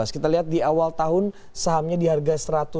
kita lihat di awal tahun sahamnya di harga satu ratus satu